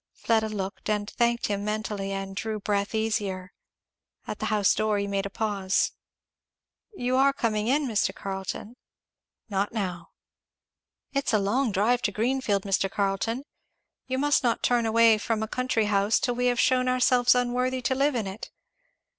Fleda looked, and thanked him mentally, and drew breath easier. At the house door he made a pause. "You are coming in, Mr. Carleton?" "Not now." "It is a long drive to Greenfield, Mr. Carleton; you must not turn away from a country house till we have shewn ourselves unworthy to live in it.